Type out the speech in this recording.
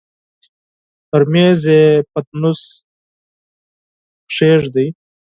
پر مېز يې پتنوس کېښود.